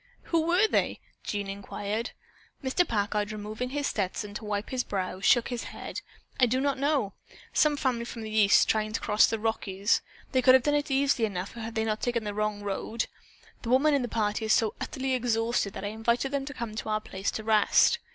"Who were they?" Jean inquired. Mr. Packard, removing his Stetson to wipe his brow, shook his head. "I do not know. Some family from the East trying to cross the Rockies. They could have done it easily enough if they had not taken the wrong road. The woman in the party is so utterly exhausted that I invited them to come to our place to rest.